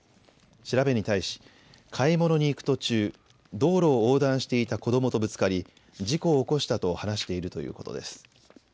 調べに対し買い物に行く途中、道路を横断していた子どもとぶつかり事故を起こしたと話しているということです。